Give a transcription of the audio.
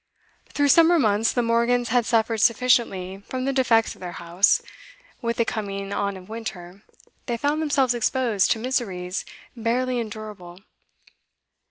Through summer months the Morgans had suffered sufficiently from the defects of their house; with the coming on of winter, they found themselves exposed to miseries barely endurable.